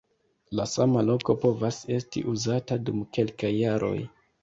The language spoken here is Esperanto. La sama loko povas esti uzata dum kelkaj jaroj.